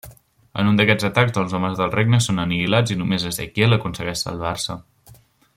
En un d'aquests atacs els homes del Regne són anihilats i només Ezequiel aconsegueix salvar-se.